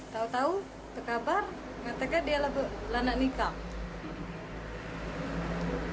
tahu tahu kekabar katakan dia lelah nak nikah